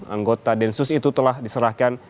anggota densus itu telah diserahkan